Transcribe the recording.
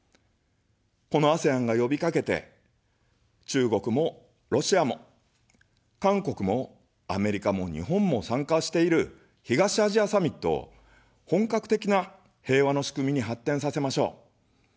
このＡＳＥＡＮがよびかけて、中国もロシアも韓国もアメリカも日本も参加している、東アジアサミットを本格的な平和の仕組みに発展させましょう。